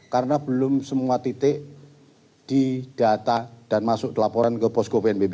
karena belum semua titik didata dan masuk laporan ke posko pnbb